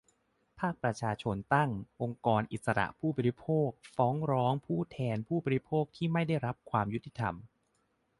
ภาคประชาชนรุกตั้ง "องค์กรอิสระผู้บริโภค" ฟ้องร้องแทนผู้บริโภคที่ไม่ได้รับความยุติธรรมได้